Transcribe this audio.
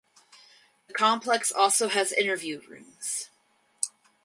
The complex also has interview rooms.